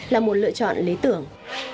là một lựa chọn lý tưởng